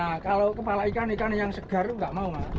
nah kalau kepala ikan ikan yang segar itu nggak mau